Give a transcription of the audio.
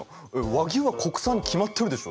和牛は国産に決まってるでしょ！